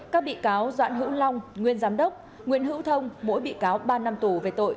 các bị cáo doãn hữu long nguyên giám đốc nguyễn hữu thông mỗi bị cáo ba năm tù về tội